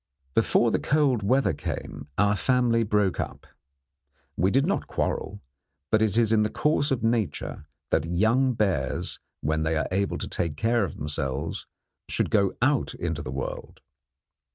Before the cold weather came our family broke up. We did not quarrel; but it is in the course of nature that young bears, when they are able to take care of themselves, should go out into the world.